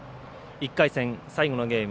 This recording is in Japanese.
１回戦、最後のゲーム。